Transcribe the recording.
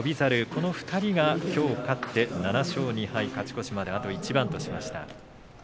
この２人がきょう勝って７勝２敗、勝ち越しまであと一番としました。